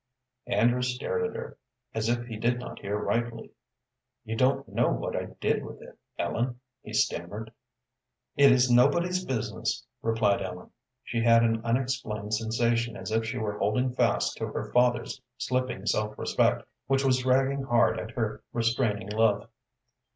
Andrew stared at her, as if he did not hear rightly. "You don't know what I did with it, Ellen," he stammered. "It is nobody's business," replied Ellen. She had an unexplained sensation as if she were holding fast to her father's slipping self respect which was dragging hard at her restraining love.